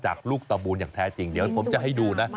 ลูกตะบูนอย่างแท้จริงเดี๋ยวผมจะให้ดูนะ